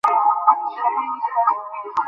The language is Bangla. একটা ব্যবস্থা করে নেবো।